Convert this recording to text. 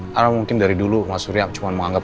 karena mungkin dari dulu mas surya cuma menganggap